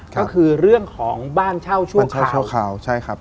ก็คือเรื่องของบ้านเช่าชั่วคราวใช่ครับ